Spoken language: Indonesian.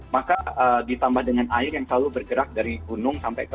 maka ditambah dengan air yang selalu bergerak dari gunung sampai ke